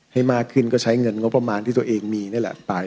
ให้มากขึ้นก็ใช้เงินงบประมาณที่ตัวเองมีนี่แหละไป